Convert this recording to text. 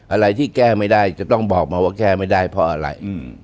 อะไรที่แก้ไม่ได้จะต้องบอกมาว่าแก้ไม่ได้เพราะอะไร